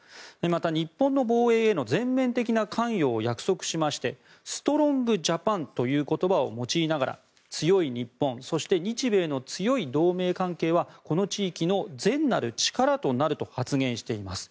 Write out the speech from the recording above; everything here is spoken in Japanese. また、日本の防衛への全面的な関与を約束しましてストロング・ジャパンという言葉を用いながら強い日本そして日米の強い同盟関係はこの地域の善なる力となると発言しています。